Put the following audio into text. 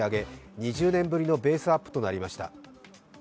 ２０年ぶりのベースアップとなりました。